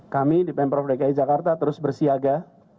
kami di pemprov dki jakarta terus bersiaga